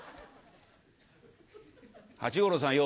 「八五郎さんよ」